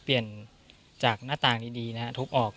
เปลี่ยนจากหน้าต่างดีนะฮะทุบออก